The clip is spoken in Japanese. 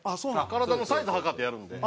体のサイズ測ってやるんで。